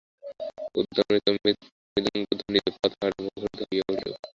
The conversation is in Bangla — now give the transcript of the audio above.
উদ্দাম নৃত্য ও মৃদঙ্গধ্বনিতে পথ-ঘাট মুখরিত হইয়া উঠিল।